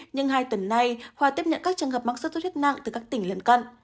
nhưng hai tuần nay khoa tiếp nhận các trường hợp mắc sốt xuất huyết nặng từ các tỉnh lân cận